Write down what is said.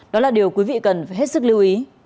đó là điều quý vị cần phải hết sức lưu ý